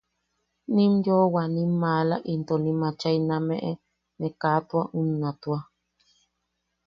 Nim yoʼowa nim maala into nim achai name, ne kaa tua unna tua.